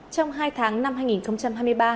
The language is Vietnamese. trong hai tháng năm hai nghìn hai mươi ba